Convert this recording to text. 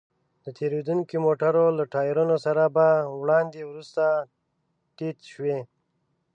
د تېرېدونکو موټرو له ټايرونو سره به وړاندې وروسته تيت شوې.